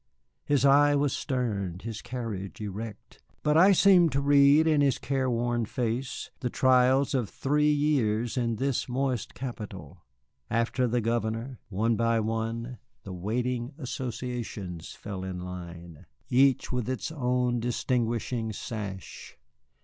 His eye was stern, his carriage erect, but I seemed to read in his careworn face the trials of three years in this moist capital. After the Governor, one by one, the waiting Associations fell in line, each with its own distinguishing sash.